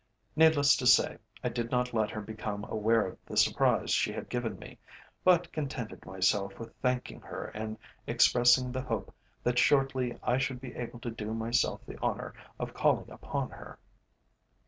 Needless to say, I did not let her become aware of the surprise she had given me, but contented myself with thanking her and expressing the hope that shortly I should be able to do myself the honour of calling upon her.